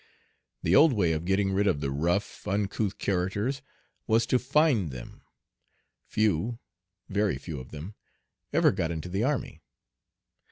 The old way of getting rid of the rough, uncouth characters was to "find" them. Few, very few of them, ever got into the army.